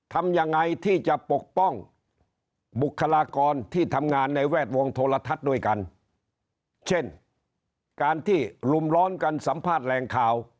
ทำยังไงที่จะปกป้องบุคลากรที่ทำงานในแวดวงโทรทัศน์ด้วยกันเช่นการที่ลุมร้อนกันสัมภาษณ์แรงข่าว